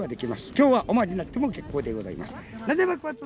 今日はおまわりになっても結構でございます。